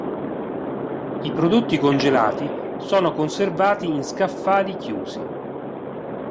I prodotti congelati sono conservati in scaffali chiusi.